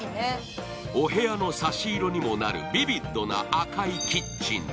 お部屋の差し色にもなるビビッドな赤いキッチン。